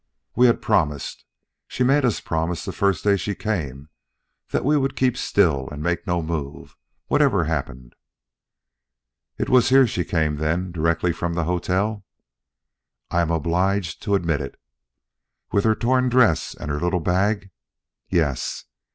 "We had promised. She made us promise the first day she came that we would keep still and make no move, whatever happened." "It was here she came then, directly from the hotel?" "I am obliged to admit it." "With her torn dress and her little bag?" "Yes."